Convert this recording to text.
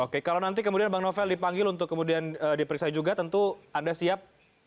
oke kalau nanti kemudian bang novel dipanggil untuk kemudian diperiksa juga tentu anda siap